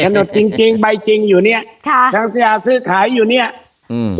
หนุดจริงจริงใบจริงอยู่เนี้ยค่ะทางสัญญาซื้อขายอยู่เนี้ยอืม